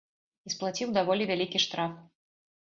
І сплаціў даволі вялікі штраф.